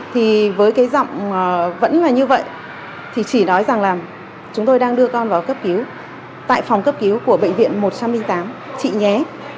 thì với cái giọng vẫn là như vậy thì chỉ nói rằng là chúng tôi đang đưa con vào cấp cứu tại phòng cấp cứu của bệnh viện một trăm linh tám chị nhé